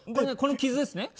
この傷が？